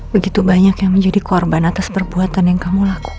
begitu banyak yang menjadi korban atas perbuatan yang kamu lakukan